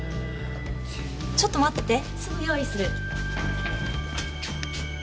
ちょっと待っててすぐ用意する。